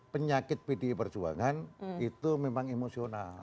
penyakit pdi perjuangan itu memang emosional